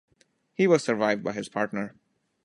He was survived by his partner.